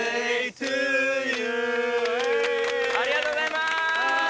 ありがとうございます！